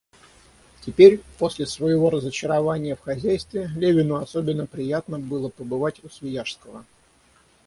Теперь, после своего разочарования в хозяйстве, Левину особенно приятно было побывать у Свияжского.